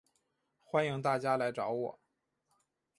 欢迎大家来找我